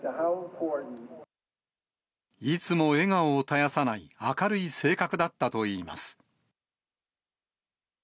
いつも笑顔を絶やさない明るい性格だったといいます。